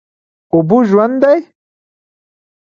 اوبه ژوند دی؟